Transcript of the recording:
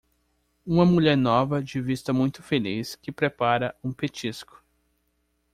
Uma mulher nova de vista muito feliz que prepara um petisco.